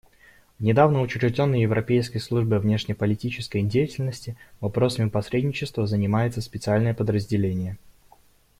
В недавно учрежденной Европейской службе внешнеполитической деятельности вопросами посредничества занимается специальное подразделение.